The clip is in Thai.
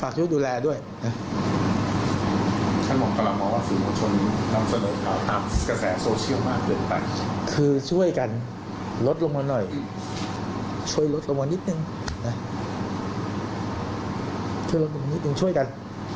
คือช่วยกันลดลงมาหน่อยช่วยลดลงมานิดนึงช่วยกัน